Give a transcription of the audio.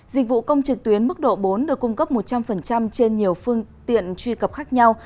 dịch vụ công trực tuyến mức độ bốn được cung cấp một trăm linh trên nhiều phương tiện truy cập khác nhau